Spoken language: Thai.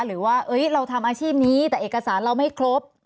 หรือว่าเราทำอาชีพนี้แต่เอกสารเราไม่ครบ